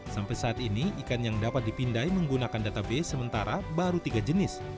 sampai saat ini ikan yang dapat dipindai menggunakan database sementara baru tiga jenis